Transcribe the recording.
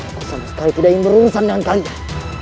aku sama sekali tidak ingin berurusan dengan kalian